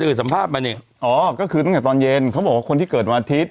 สัมภาษณ์มานี่อ๋อก็คือตั้งแต่ตอนเย็นเขาบอกว่าคนที่เกิดวันอาทิตย